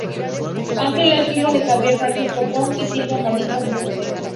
Angela es hija de Javier Francisco Brown y de Silvia Maritza Burke.